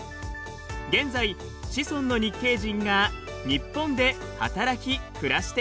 現在子孫の日系人が日本で働き暮らしています。